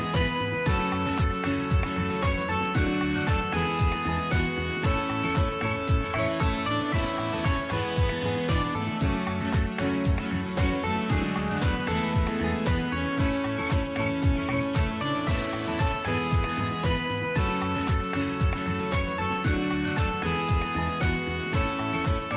สวัสดีครับพี่สิทธิ์มหันฯ